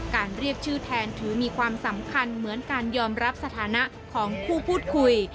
เรียกชื่อแทนถือมีความสำคัญเหมือนการยอมรับสถานะของผู้พูดคุย